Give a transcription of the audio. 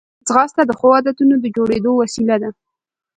ځغاسته د ښو عادتونو د جوړېدو وسیله ده